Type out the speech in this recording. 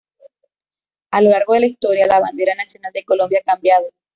A lo largo de la historia, la bandera nacional de Colombia ha cambiado.